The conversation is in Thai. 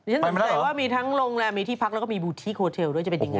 ฉันสนใจว่ามีทั้งโรงแรมมีที่พักแล้วก็มีบูธิโคเทลด้วยจะเป็นยังไง